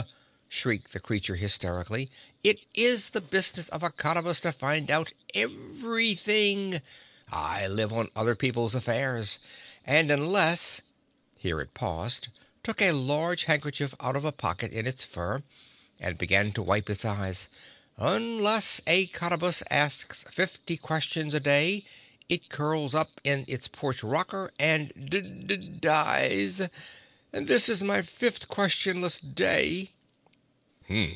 shrieked the creature hysterically. "It is the business of a Cottabus to find out everything. I live on other people's affairs, and unless"—here it paused, took a large handkerchief out of a pocket in its fur and began to wipe its eyes—"unless a Cottabus asks fifty questions a day it curls up in its porch rocker and d d dies, and this is my fifth questionless day."